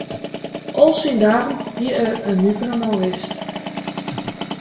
Al syn dagen hie er in nuver man west.